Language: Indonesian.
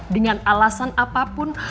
dengan alasan apapun